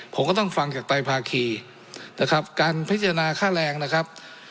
ผมก็ต้องฟังจากไตภาคีนะครับการพิจารณาค่าแรงนะครับ